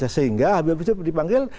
sehingga habib rizik dipanggil